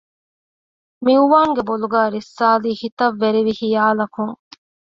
މިއުވާންގެ ބޮލުގައި ރިއްސާލީ ހިތަށް ވެރިވި ޚިޔާލަކުން